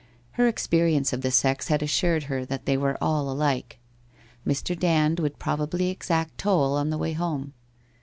Her experience of the sex had assured her that they were all alike. Mr. Dand would probably exact toll on the way home?